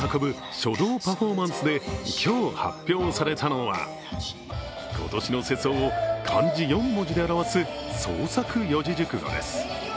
書道パフォーマンスで今日発表されたのは今年の世相を漢字四文字で表す創作四字熟語です。